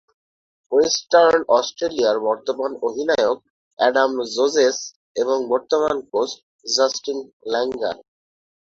Western অস্ট্রেলিয়ার বর্তমান অধিনায়ক অ্যাডাম ভোজেস এবং বর্তমান কোচ জাস্টিন ল্যাঙ্গার।